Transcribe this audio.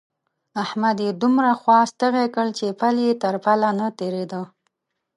احمد يې دومره خوا ستغی کړ چې پل يې تر پله نه تېرېد.